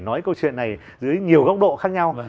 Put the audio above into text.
nói câu chuyện này dưới nhiều góc độ khác nhau